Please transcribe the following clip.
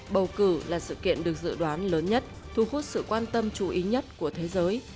bầu cử là sự kiện được dự đoán lớn nhất thu hút sự quan tâm chú ý nhất của thế giới